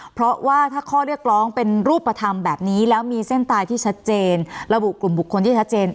เพราะว่าถ้าข้อเรียกร้องเป็นรูปธรรมแบบนี้แล้วมีเส้นตายที่ชัดเจนระบุกลุ่มบุคคลที่ชัดเจน